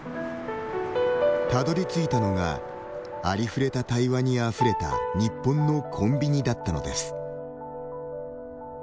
たどりついたのがありふれた対話にあふれた日本のコンビニだったのです。